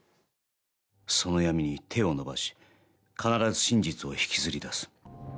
その闇に手を伸ばし必ず真実を引きずり出す。